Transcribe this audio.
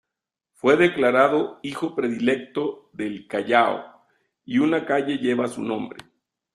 Fue declarado "Hijo Predilecto del Callao" y una calle lleva su nombre.